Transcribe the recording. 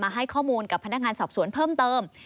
ให้ข้อมูลกับพนักงานสอบสวนเพิ่มเติม